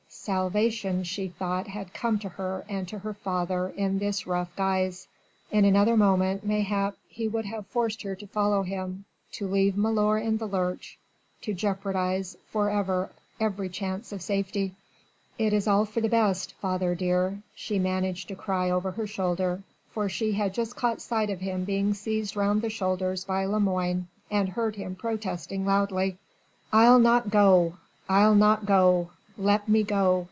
Salvation she thought had come to her and to her father in this rough guise. In another moment mayhap he would have forced her to follow him, to leave milor in the lurch, to jeopardise for ever every chance of safety. "It is all for the best, father dear," she managed to cry out over her shoulder, for she had just caught sight of him being seized round the shoulders by Lemoine and heard him protesting loudly: "I'll not go! I'll not go! Let me go!"